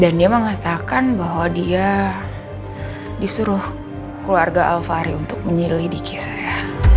dan dia mengatakan bahwa dia disuruh keluarga alvari untuk menyelidiki saya